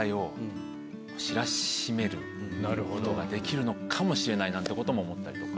ことができるのかもしれないなんてことも思ったりとか。